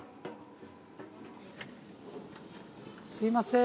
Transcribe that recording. すいません